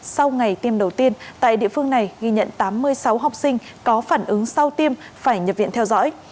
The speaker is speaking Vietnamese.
sau ngày tiêm đầu tiên tại địa phương này ghi nhận tám mươi sáu học sinh có phản ứng sau tiêm phải nhập viện theo dõi